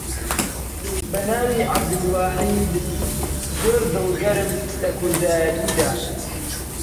بە ناوی عەبدولواحید، زۆر دڵگەرم لە کوردایەتیدا